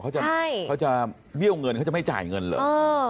เขาจะเมี่ยวเงินเขาจะไม่จ่ายเงินเลย